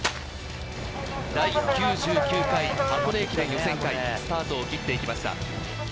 第９９回箱根駅伝予選会、スタートを切っていきました。